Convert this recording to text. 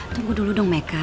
tunggu dulu dong meka